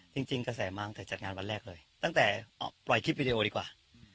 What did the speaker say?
จริงกระแสมาตั้งแต่จัดงานวันแรกเลยตั้งแต่ปล่อยคลิปวิดีโอดีกว่า